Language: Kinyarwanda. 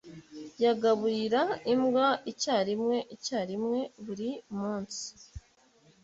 yagaburira imbwa icyarimwe icyarimwe buri munsi